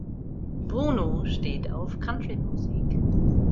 Bruno steht auf Country-Musik.